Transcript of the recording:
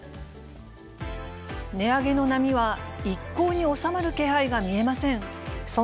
値上げの波は一向に収まる気配が見えません。